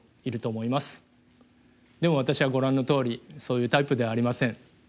でも私はご覧のとおりそういうタイプではありません。